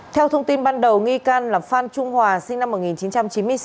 theo thông tin ban đầu nghi can là phan trung hòa sinh năm một nghìn chín trăm chín mươi sáu